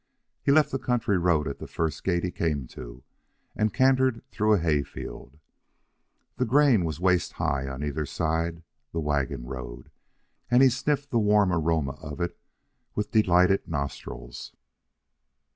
He left the country road at the first gate he came to and cantered through a hayfield. The grain was waist high on either side the wagon road, and he sniffed the warm aroma of it with delighted nostrils.